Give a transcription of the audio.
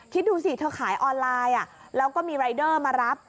คิดดูสิเธอขายออนไลน์แล้วก็มีรายเดอร์มารับ